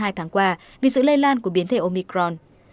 từ ngày hai tháng qua vì sự lây lan của biến thể omicron